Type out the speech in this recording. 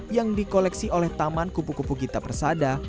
yang dikoleksi oleh taman kupu kupu gita persada